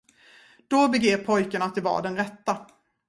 Då begrep pojken att det var den rätta.